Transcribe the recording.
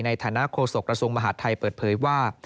ในฐานะโฆษกระทรวงมหาดไทยเปิดเผยว่า